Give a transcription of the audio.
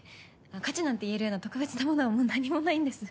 価値なんていえるような特別なものはもう何もないんです。